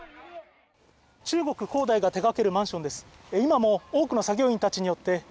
中国恒大が手がけるマンションです。